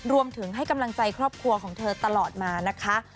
รวมถึงให้กำลังใจครอบครัวของเธอตลอดมานะคะ